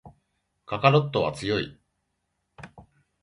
カカロットは強い